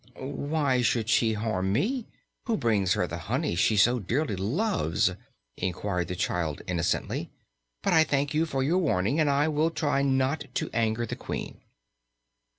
"Why should she harm me, who brings her the honey she so dearly loves?" inquired the child innocently. "But I thank you for your warning; and I will try not to anger the Queen."